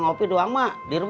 apa yang duri mama